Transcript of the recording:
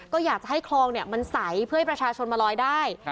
ก็อยากจะให้คลองมันใสเพื่อให้ประชาชนมาลอยได้